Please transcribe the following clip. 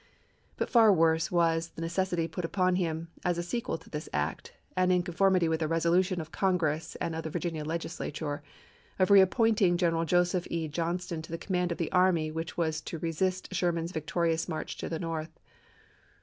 But far worse was the necessity put upon him, as a sequel to this act, — and in con formity with a resolution of Congress and of the Vir ginia Legislature, — of reappointing General Joseph E. Johnston to the command of the army which was to resist Sherman's victorious march to the North.